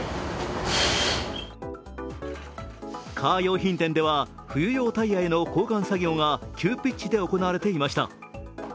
カー用品店では、冬用タイヤへの交換作業が急ピッチで行われていました。